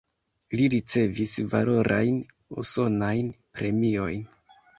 Li ricevis valorajn usonajn premiojn.